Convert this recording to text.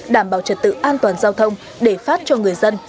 đảm bảo trật tự an toàn giao thông để phát cho người dân